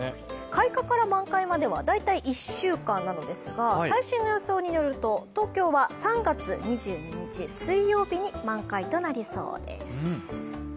開花から満開までは大体１週間なのですが最新の予想によると、東京は３月２２日、水曜日に満開になりそうです。